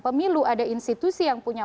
pemilu ada institusi yang punya